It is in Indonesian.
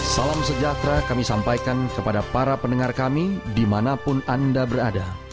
salam sejahtera kami sampaikan kepada para pendengar kami dimanapun anda berada